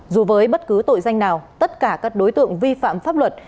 dù với bất cứ tội danh nào tất cả các đối tượng vi phạm pháp luật